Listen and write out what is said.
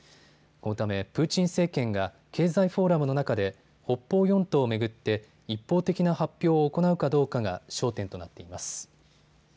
このためプーチン政権が経済フォーラムの中で北方四島を巡って一方的な発表を行うかどうかが焦点となっています。